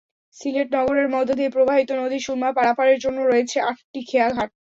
সিলেট নগরের মধ্য দিয়ে প্রবাহিত নদী সুরমা পারাপারের জন্য রয়েছে আটটি খেয়াঘাট।